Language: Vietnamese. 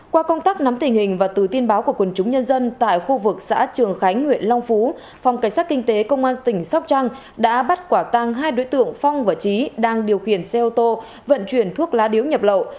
qua công tác nắm tình hình và từ tin báo của quần chúng nhân dân tại khu vực xã trường khánh huyện long phú phòng cảnh sát kinh tế công an tỉnh sóc trăng đã bắt quả tăng hai đối tượng phong và trí đang điều khiển xe ô tô vận chuyển thuốc lá điếu nhập lậu